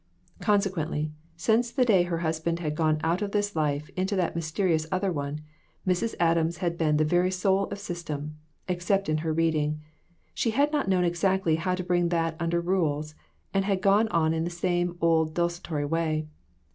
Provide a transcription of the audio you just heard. Consequently, since the day her husband had gone out of this life into that mysterious other one, Mrs. Adams had been the very soul of system, except in her reading ; she had not known exactly how to bring that under rules, and had gone on in the same old desultory way.